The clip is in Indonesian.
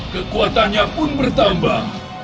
kekuatannya pun bertambah